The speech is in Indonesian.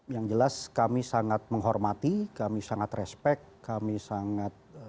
yang jelas kami sangat menghormati kami sangat respect kami sangat